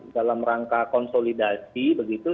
dalam rangka konsolidasi begitu